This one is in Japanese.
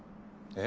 え？